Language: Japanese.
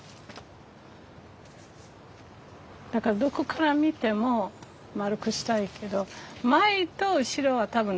だからどこから見ても丸くしたいけど前と後ろは多分大丈夫だ。